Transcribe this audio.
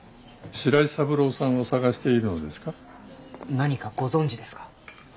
何かご存じですか？